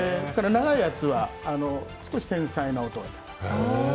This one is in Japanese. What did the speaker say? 長いやつは少し繊細な音です。